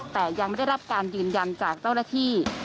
แต่ยังไม่ได้รับการยืนยันจากเจ้าหน้าที่